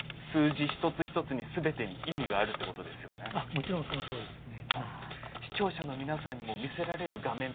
もちろんそのとおりですね。